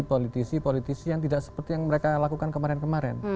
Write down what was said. politisi politisi yang tidak seperti yang mereka lakukan kemarin kemarin